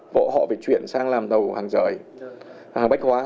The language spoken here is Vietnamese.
bộ họ phải chuyển sang làm tàu hàng rời hàng bách hóa